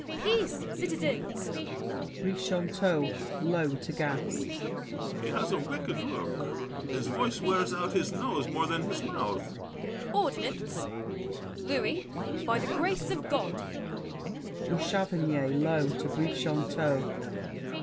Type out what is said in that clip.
Peace, citizens! BRICHANTEAU (low to Gassé). He has a wicked look. His voice wears out his nose more than his mouth! TOWN CRIER. "Ordinance: Louis, by the Grace of God—" BOUCHAVANNES (low to Brichanteau).